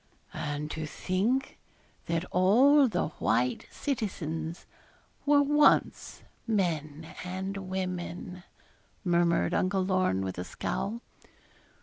'And to think that all the white citizens were once men and women!' murmured Uncle Lorne, with a scowl.